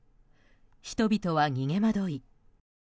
人々は逃げまどい。